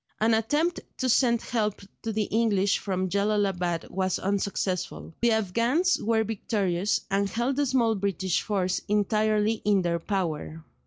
An attempt to send help to the English from Jellalabad was unsuccessful; the Afghans were victorious, and held the small British force entirely in their power.